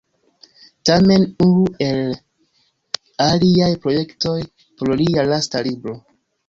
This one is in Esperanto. Tamen, unu el liaj projektoj por lia lasta libro.